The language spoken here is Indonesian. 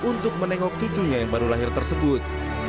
untuk menengok cucunya yang baru lahir tersebut